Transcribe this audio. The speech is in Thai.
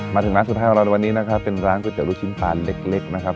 มาถึงร้านสุดท้ายของเราในวันนี้นะครับเป็นร้านก๋วยเตี๋ลูกชิ้นปลาเล็กนะครับ